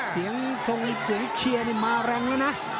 เสียงทรงเสียงเชียร์นี่มาแรงแล้วนะ